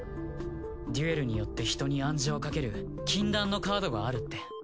デュエルによって人に暗示をかける禁断のカードがあるって。